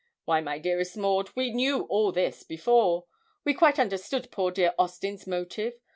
Why, my dearest Maud, we knew all this before. We quite understood poor dear Austin's motive.